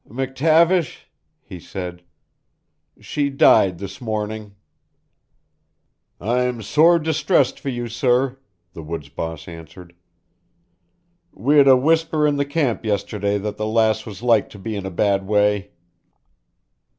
"McTavish," he said, "she died this morning." "I'm sore distressed for you, sir," the woods boss answered. "We'd a whisper in the camp yesterday that the lass was like to be in a bad way."